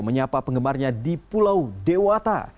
menyapa penggemarnya di pulau dewata